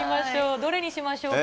どれにしましょうか？